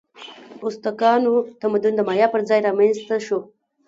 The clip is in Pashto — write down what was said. د ازتکانو تمدن د مایا پر ځای رامنځته شو.